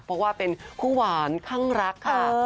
เพราะว่าเป็นคู่หวานข้างรักค่ะ